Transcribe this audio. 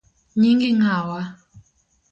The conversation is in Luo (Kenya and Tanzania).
Nyingi ng’awa?